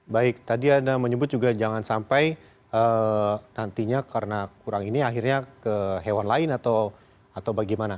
baik tadi anda menyebut juga jangan sampai nantinya karena kurang ini akhirnya ke hewan lain atau bagaimana